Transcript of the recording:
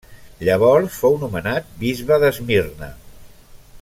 Llavors fou nomenat bisbe d'Esmirna.